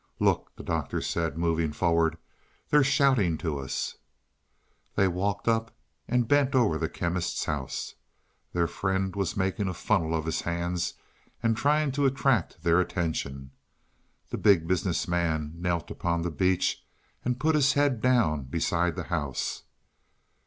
"Look," the Doctor said, moving forward. "They're shouting to us." They walked up and bent over the Chemist's house. Their friend was making a funnel of his hands and trying to attract their attention. The Big Business Man knelt upon the beach and put his head down beside the house.